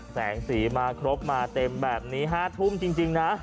แสงสีมาครบมาเต็มแบบนี้๕ทุ่มจริงนะ